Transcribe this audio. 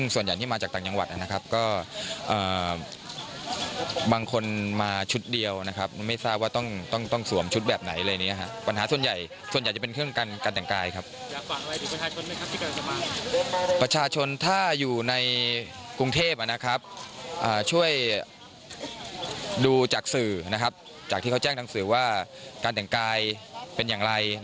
สำหรับที่เขาแจ้งทางสื่อว่าการแต่งกายเป็นอย่างไร